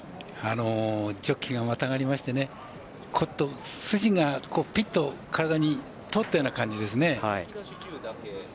ジョッキーがまたがりまして、筋が、ぴっと体に通ったような感じですね。